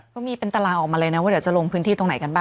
เขามีเป็นตารางออกมาเลยนะว่าเดี๋ยวจะลงพื้นที่ตรงไหนกันบ้าง